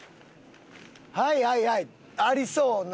はいはいはいありそうな。